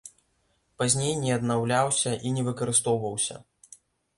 Пазней не аднаўляўся і не выкарыстоўваўся.